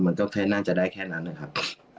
มันก็แค่น่าจะได้แค่นั้นนะครับ